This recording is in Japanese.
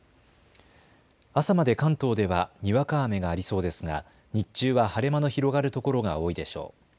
朝まで関東ではにわか雨がありそうですが日中は晴れ間の広がるところが多いでしょう。